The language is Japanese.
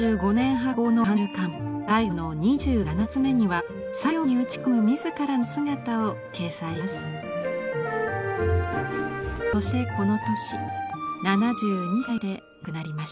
最後の２７冊目には作業に打ち込む自らの姿を掲載しています。